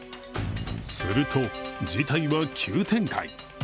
すると、事態は急展開。